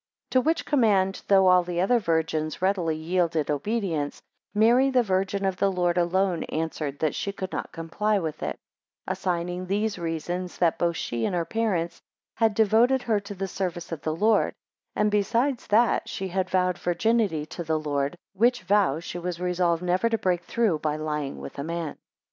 5 To which command, though all the other virgins readily yielded obedience, Mary the Virgin of the Lord alone answered, that she could not comply with it, 6 Assigning these reasons, that both she and her parents had devoted her to the service of the Lord; and besides, that she had vowed virginity to the Lord, which vow she was resolved never to break through by lying with a man.